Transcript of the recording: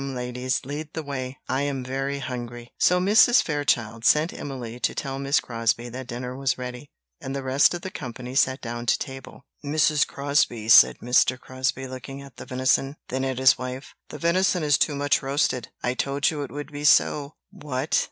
Ladies lead the way; I am very hungry." So Mrs. Fairchild sent Emily to tell Miss Crosbie that dinner was ready, and the rest of the company sat down to table. "Mrs. Crosbie," said Mr. Crosbie, looking at the venison, then at his wife, "the venison is too much roasted; I told you it would be so." "What!